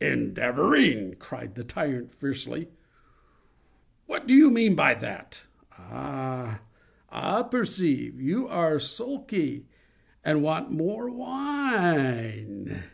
"Endeavoring!" cried the tyrant, fiercely; "what do you mean by that? Ah, I perceive. You are sulky, and want more wine.